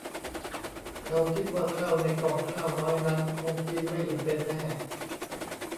เขาคิดว่าข้าวในก่องข้าวน้อยนั้นคงกินไม่อิ่มเป็นแน่